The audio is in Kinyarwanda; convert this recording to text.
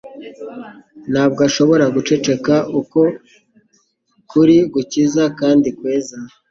Ntabwo ashobora guceceka uko kuri gukiza kandi kweza.